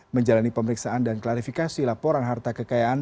menjalani pemeriksaan dan klarifikasi laporan harta kekayaan